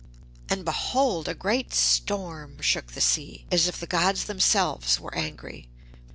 And behold! a great storm shook the sea, as if the gods themselves were angry.